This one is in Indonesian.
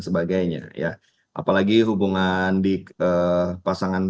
sebagainya ya apalagi hubungan di pasangan